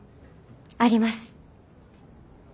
あります。